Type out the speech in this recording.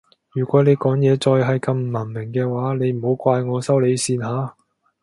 如果你講嘢再係咁唔文明嘅話你唔好怪我收你線吓